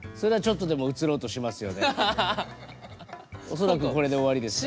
恐らくこれで終わりですから。